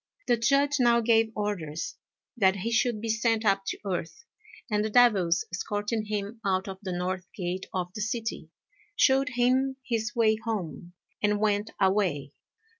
The Judge now gave orders that he should be sent up to earth, and the devils, escorting him out of the north gate of the city, shewed him his way home, and went away.